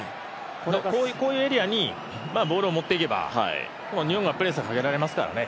こういうエリアにボールを持っていけば日本がプレッシャーをかけられますからね。